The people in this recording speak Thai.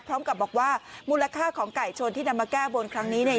พร้อมกับบอกว่ามูลค่าของไก่ชนที่นำมาแก้บนครั้งนี้เนี่ย